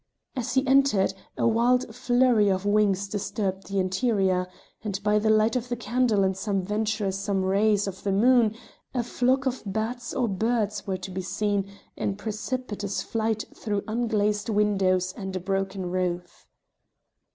As he entered, a wild flurry of wings disturbed the interior, and by the light of the candle and some venturesome rays of the moon a flock of bats or birds were to be seen in precipitous flight through unglazed windows and a broken roof.